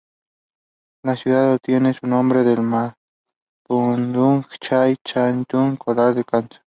La ciudad obtiene su nombre del mapudungun "chain"-"chaitun"", "colar en canasto".